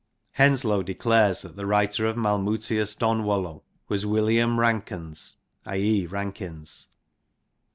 Henslowe declares that the writer of Malmutius Donwallo'w was William Ranckenes (I. e. Rankins).